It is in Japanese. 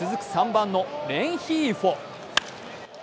３番のレンヒーフォ。